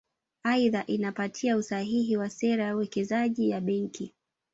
Aidha inapitia usahihi wa sera ya uwekezaji ya Benki